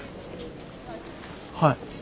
はい。